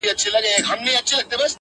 په مسجدونو کي چي لس کلونه ونه موندې